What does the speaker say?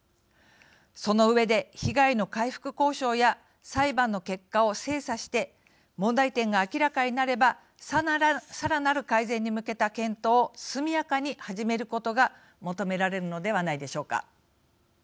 その上で被害の回復交渉や裁判の結果を精査して問題点が明らかになればさらなる改善に向けた検討を速やかに始めることが求められるのではないでしょうか。